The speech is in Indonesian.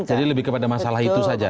jadi lebih kepada masalah itu saja